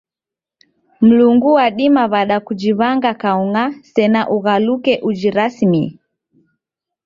Mlungu wadima w'ada kujiw'anga kaung'a sena ughaluke ujirasimie?